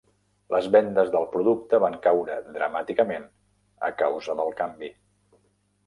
Les vendes del producte van caure dramàticament a causa del canvi.